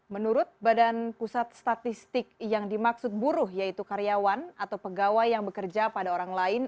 menurut badan pusat statistik yang dimaksud buruh yaitu karyawan atau pegawai yang bekerja pada orang lain